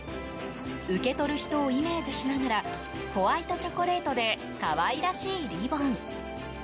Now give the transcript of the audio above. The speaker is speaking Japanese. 受け取る人をイメージしながらホワイトチョコレートで可愛らしいリボン。